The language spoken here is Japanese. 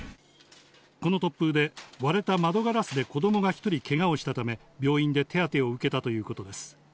この突風で、割れた窓ガラスで子どもが１人けがをしたため、病院で手当てを受けたということです。